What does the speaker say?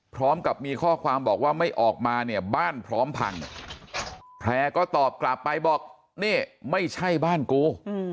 พร้อมกับมีข้อความบอกว่าไม่ออกมาเนี่ยบ้านพร้อมพังแพร่ก็ตอบกลับไปบอกนี่ไม่ใช่บ้านกู